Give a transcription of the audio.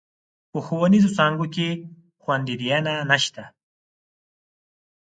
په ښوونيزو څانګو کې خونديينه نشته.